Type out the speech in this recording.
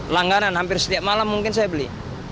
langganan hampir setiap malam mungkin saya beli